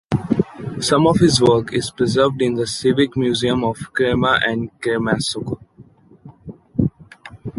Some of his work is preserved in the Civic Museum of Crema and Cremasco.